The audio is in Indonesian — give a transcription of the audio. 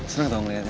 serang tau ngeliatnya